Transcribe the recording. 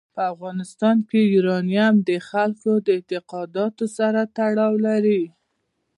په افغانستان کې یورانیم د خلکو د اعتقاداتو سره تړاو لري.